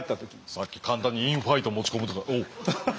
さっき簡単にインファイト持ち込むとかおっ。